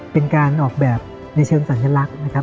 เป็นการออกแบบในเชิงสัญลักษณ์นะครับ